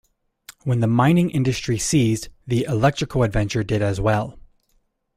When the mining industry ceased, the "electrical adventure" did as well.